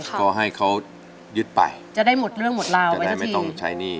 ก็ให้เขายึดไปจะได้หมดเรื่องหมดราวไว้ทำไมต้องใช้หนี้